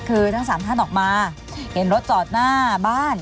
คือทั้งสามท่านออกมาเห็นรถจอดหน้าบ้าน